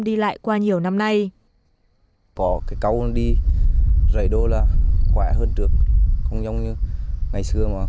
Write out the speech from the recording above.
đi lại qua nhiều năm nay